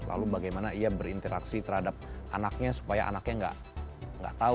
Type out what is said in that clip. lalu bagaimana ia berinteraksi terhadap anaknya supaya anaknya nggak tahu